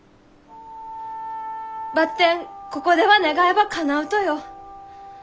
ばってんここでは願えばかなうとよ。